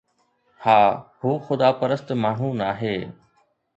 ها، هو خدا پرست ماڻهو ناهي